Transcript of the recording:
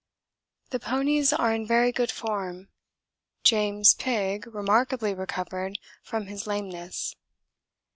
The ponies are in very good form; 'James Pigg' remarkably recovered from his lameness.